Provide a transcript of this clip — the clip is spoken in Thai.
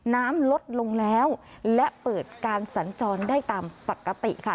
น้ำลดลงแล้วและเปิดการสัญจรได้ตามปกติค่ะ